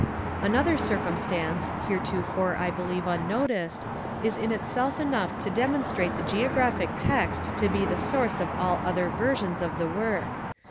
53. Another circumstance, heretofore I believe unnoticed, is in itself enough to demonstrate the Geographic Text to be the source of all other versions of the Work.